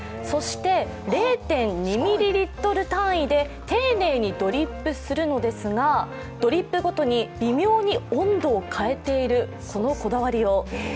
そして０．２ミリリットル単位で丁寧にドリップするのですがドリップごとに微妙に温度を変えている、このこだわりよう。